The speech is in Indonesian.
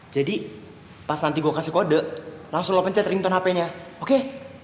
jadi pas nanti gue kasih kode langsung lo pencet ringtone hpnya oke